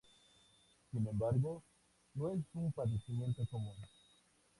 Sin embargo, no es un padecimiento común.